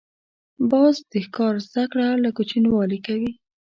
باز د ښکار زده کړه له کوچنیوالي کوي